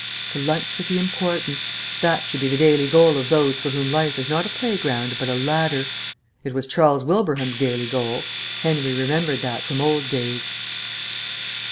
To lunch with the important ... that should be the daily goal of those for whom life is not a playground but a ladder. It was Charles Wilbraham's daily goal: Henry remembered that from old days.